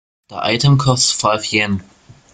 The item costs five Yen.